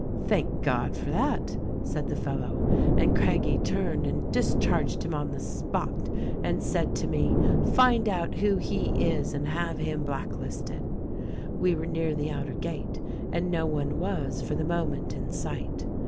"'Thank God for that!' said the fellow, and Craggie turned and discharged him on the spot and said to me, 'Find out who he is, and have him blacklisted.' "We were near the outer gate and no one was, for the moment, in sight.